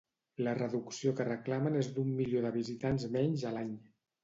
La reducció que reclamen és d'un milió de visitants menys a l'any.